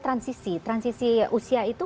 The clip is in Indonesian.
transisi transisi usia itu